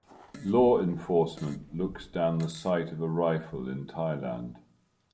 Law Enforcement looks down the sight of a rifle in Thailand.